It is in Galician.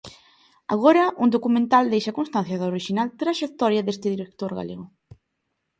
Agora, un documental deixa constancia da orixinal traxectoria deste director galego.